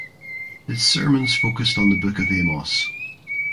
His sermons focused on the Book of Amos.